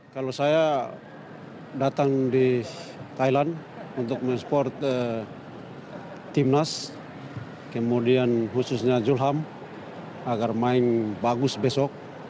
kalau saya datang di thailand untuk men support timnas kemudian khususnya zulham agar main bagus besok